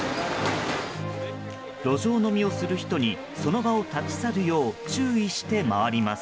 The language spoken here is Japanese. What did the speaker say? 路上飲みをする人にその場を立ち去るよう注意して回ります。